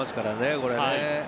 これね。